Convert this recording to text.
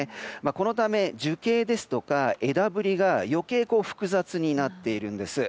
このため、樹形ですとか枝ぶりが余計複雑になっているんです。